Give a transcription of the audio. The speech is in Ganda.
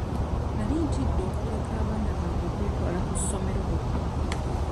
Nali ntidde okuleka abaana bange okwetwala ku ssomero bokka.